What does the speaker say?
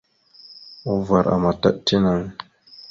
Uvar àmataɗ tinaŋ.